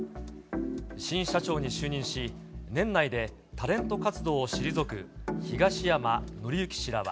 新社長に就任し、年内でタレント活動を退く東山紀之氏らは。